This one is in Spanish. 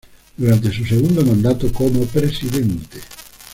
Durante su segundo mandato como presidente.